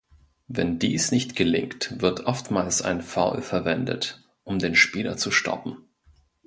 Wenn dies nicht gelingt, wird oftmals ein Foul verwendet, um den Spieler zu stoppen.